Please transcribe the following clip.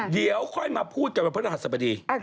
เดี๋ยวค่อยมาพูดกับพนักหัสสบดี